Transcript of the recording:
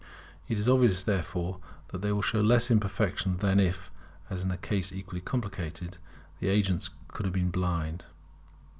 It is obvious, therefore, that they will show less imperfection than if, in a case equally complicated, the agents could have been blind.